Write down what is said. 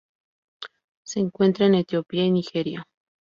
Se encuentra en Etiopía y Nigeria.